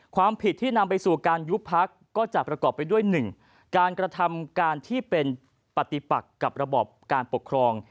ความผิดที่นำไปสู่การยุบพักก็จะประกอบไปด้วย๑การกระทำการที่เป็นปฏิปักกับระบอบการปกครอง